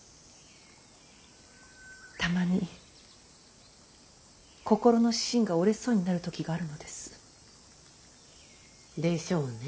たまに心の芯が折れそうになる時があるのです。でしょうね。